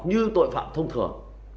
như tội phạm thông thường